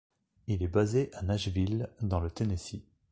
Il est basé à Nashville, dans le Tennessee.